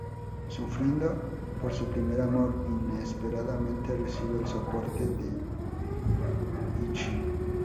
Sufriendo por su primer amor, inesperadamente recibe el soporte de Ichi.